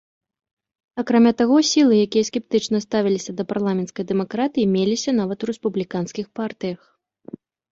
Акрамя таго сілы, якія скептычна ставіліся да парламенцкай дэмакратыі, меліся нават у рэспубліканскіх партыях.